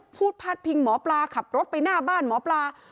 พาดพิงหมอปลาขับรถไปหน้าบ้านหมอปลา